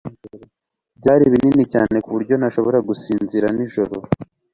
Byari binini cyane ku buryo ntashobora gusinzira nijoro.